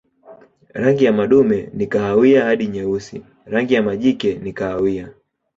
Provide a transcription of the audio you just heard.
Rangi ya madume ni kahawia hadi nyeusi, rangi ya majike ni kahawia.